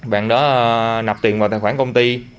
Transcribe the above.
bạn đó nập tiền vào tài khoản công ty